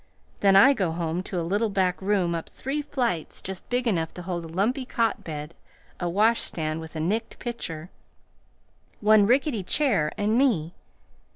Then I go home to a little back room up three flights just big enough to hold a lumpy cot bed, a washstand with a nicked pitcher, one rickety chair, and me.